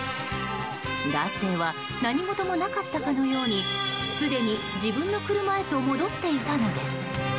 男性は何事もなかったかのようにすでに自分の車へと戻っていたのです。